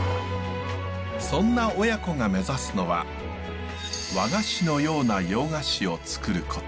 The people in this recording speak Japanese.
そんな親子が目指すのは和菓子のような洋菓子をつくること。